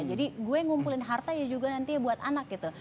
jadi gue ngumpulin harta ya juga nanti buat anak gitu